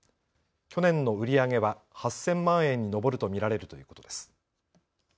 去年の売り上げは８０００万円に上ると見られるということです。